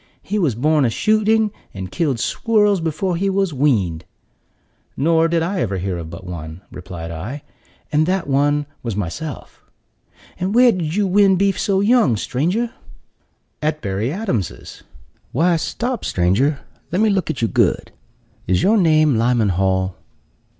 He was born a shooting, and killed squirrels before he was weaned." "Nor did I ever hear of but one," replied I, "and that one was myself." "And where did you win beef so young, stranger?" "At Berry Adams's." "Why, stop, stranger, let me look at you good! Is your name Lyman Hall?"